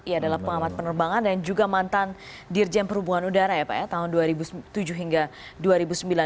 ia adalah pengamat penerbangan dan juga mantan dirjen perhubungan udara ya pak ya tahun dua ribu tujuh hingga dua ribu sembilan